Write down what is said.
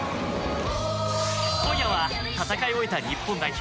今夜は戦いを終えた日本代表